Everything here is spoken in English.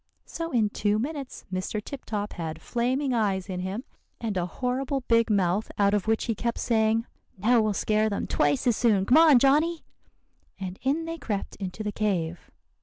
So in two minutes Mr. Tip Top had flaming eyes in him, and a horrible big mouth, out of which he kept saying, 'Now we'll scare them twice as soon. Come on, Johnny!' And in they crept into the cave.